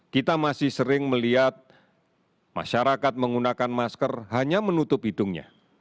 kita masih sering melihat masyarakat menggunakan masker hanya menutup hidungnya